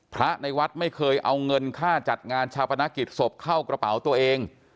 พระในวัดไม่เคยเอาเงินค่าจัดงานชาปนกิจศพเข้ากระเป๋าตัวเอง